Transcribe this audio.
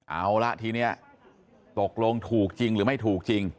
เอาละทีนี้ตกลงถูกจริงหรือไม่ถูกจริง